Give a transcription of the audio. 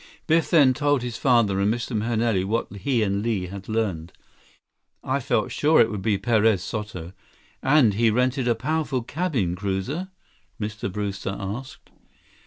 Biff then told his father and Mr. Mahenili what he and Li had learned. "I felt sure it would be Perez Soto. And he rented a powerful cabin cruiser?" Mr. Brewster asked.